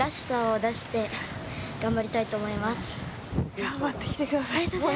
頑張ってきてください！